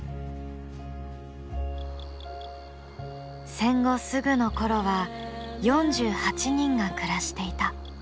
戦後すぐの頃は４８人が暮らしていた。